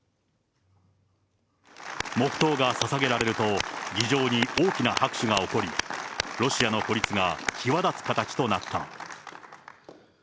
黙とうがささげられると、議場に大きな拍手が起こり、ロシアの孤立が際立つ形となった。